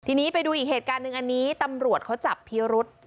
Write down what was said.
ทีนี้ไปดูอีกเหตุการณ์หนึ่งอันนี้ตำรวจเขาจับพิรุษ